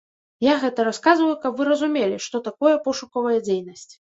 Я гэта расказваю, каб вы разумелі, што такое пошукавая дзейнасць.